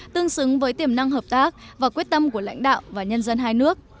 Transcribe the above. tương xứng với tiềm năng hợp tác và quyết tâm của lãnh đạo và nhân dân hai nước